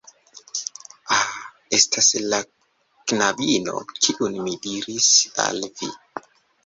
Ah, estas la knabino kiun mi diris al vi